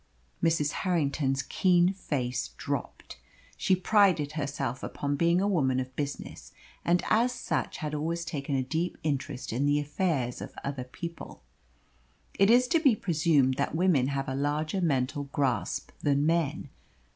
Mrs. Harrington's keen face dropped. She prided herself upon being a woman of business, and as such had always taken a deep interest in the affairs of other people. It is to be presumed that women have a larger mental grasp than men.